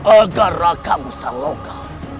agar raka musa saloka